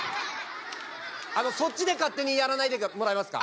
あのそっちで勝手にやらないでもらえますか？